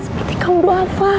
seperti kamu do'a fah